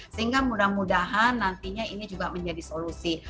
sehingga mudah mudahan nantinya ini juga menjadi solusi